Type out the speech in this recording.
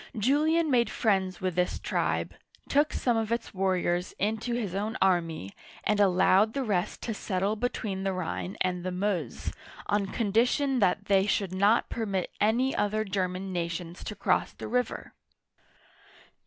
Julian made friends with this tribe, took some of its warriors into his own army, and allowed the rest to settle between the Rhine and the Meuse, on condition that they should not permit any other German nations to cross the river.